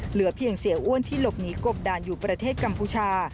เหลือเพียงเสียอ้วนที่หลบหนีกบดานอยู่ประเทศกัมพูชา